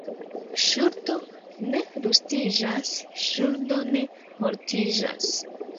Ŝuldo ne rustiĝas, ŝuldo ne mortiĝas.